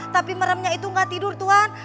tapi meremnya itu gak tidur tuhan